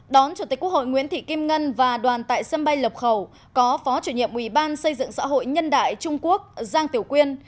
đón chủ tịch quốc hội nguyễn thị kim ngân và đoàn tại sân bay lọc khẩu có phó chủ nhiệm ủy ban xây dựng xã hội nhân đại trung quốc giang tiểu quyên